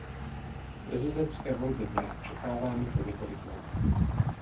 Prezidentské volby byly očekávány po několik let.